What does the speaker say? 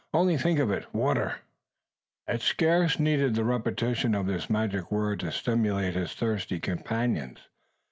Only think of it, water!" It scarce needed the repetition of this magic word to stimulate his thirsty companions.